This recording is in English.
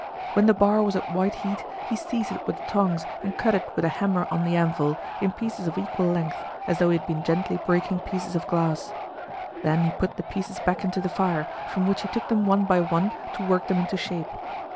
When the bar was at white heat he seized it with the tongs and cut it with a hammer on the anvil, in pieces of equal length, as though he had been gently breaking pieces of glass. Then he put the pieces back into the fire, from which he took them one by one to work them into shape.